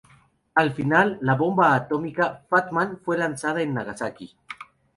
Al final, la bomba atómica "Fat Man" fue lanzada en Nagasaki.